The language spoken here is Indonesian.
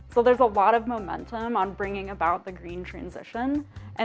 jadi ada banyak momentum untuk membawa kembali ke transisi hijau